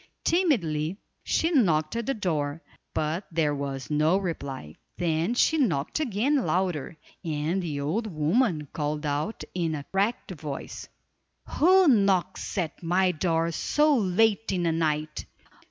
Timidly she knocked at the door, but there was no reply. Then she knocked again louder, and the old woman called out in a cracked voice: "Who knocks at my door so late in the night!"